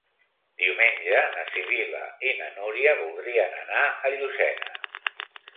Diumenge na Sibil·la i na Núria voldrien anar a Llucena.